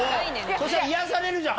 そしたら癒やされるじゃん